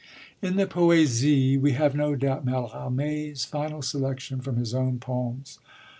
In the Poésies we have, no doubt, Mallarmé's final selection from his own poems.